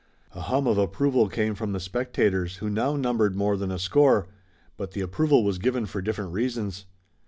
A hum of approval came from the spectators, who now numbered more than a score, but the approval was given for different reasons.